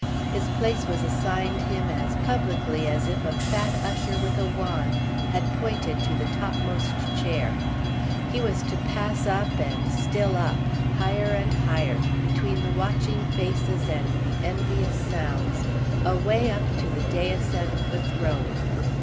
His place was assigned him as publicly as if a fat usher with a wand had pointed to the topmost chair; he was to pass up and still up, higher and higher, between the watching faces and the envious sounds—away up to the dais and the throne.